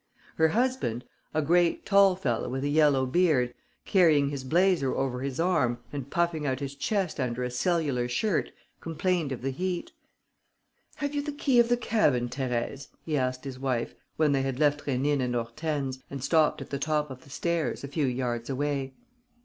Her husband, a great tall fellow with a yellow beard, carrying his blazer over his arm and puffing out his chest under a cellular shirt, complained of the heat: "Have you the key of the cabin, Thérèse?" he asked his wife, when they had left Rénine and Hortense and stopped at the top of the stairs, a few yards away.